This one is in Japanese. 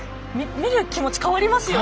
見る気持ち変わりますよね。